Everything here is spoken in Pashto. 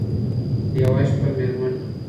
یوه شپه مېرمن